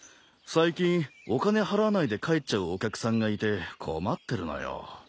最近お金払わないで帰っちゃうお客さんがいて困ってるのよ。